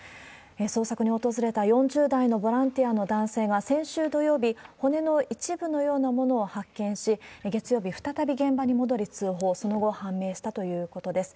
捜索に訪れた４０代のボランティアの男性が、先週土曜日、骨の一部のようなものを発見し、月曜日、再び現場に戻り通報、その後判明したということです。